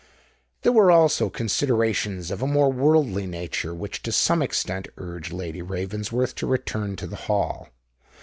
There were also considerations of a more worldly nature which to some extent urged Lady Ravensworth to return to the Hall.